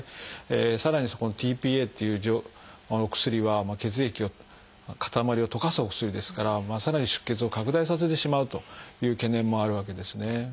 さらにそこにｔ−ＰＡっていうお薬は血液を塊を溶かすお薬ですからさらに出血を拡大させてしまうという懸念もあるわけですね。